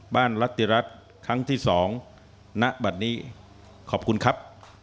บ้านลัตริรัตน์ครั้งที่๒ณบันนี้ขอบคุณครับ